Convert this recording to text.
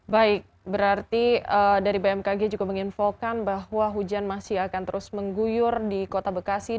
baik berarti dari bmkg juga menginfokan bahwa hujan masih akan terus mengguyur di kota bekasi